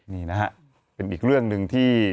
นี่นะฮะเป็นอีกเรื่องหนึ่งที่